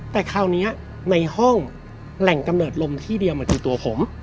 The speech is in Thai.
แต่คราวนี้ในห้องแหล่งกำเนิดลมที่เดียวมันคือตัวผม